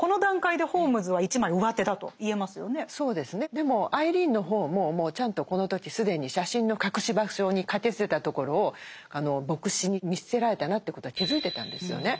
でもアイリーンの方ももうちゃんとこの時既に写真の隠し場所に駆けつけたところを牧師に見つけられたなということは気付いてたんですよね。